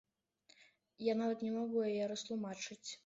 Я нават не магу яе растлумачыць.